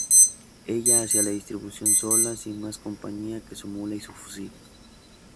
Ella hacía la distribución sola, sin más compañía que su mula y su fusil.